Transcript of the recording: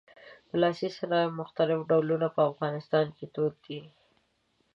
د لاسي صنایعو مختلف ډولونه په افغانستان کې دود دي.